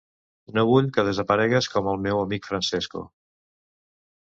No vull que desaparegues com el meu amic Francesco.